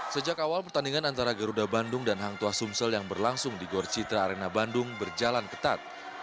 sejak awal pertandingan antara garuda bandung dan hangtua sumsel yang berlangsung di gorjitra arena bandung berjalan ketat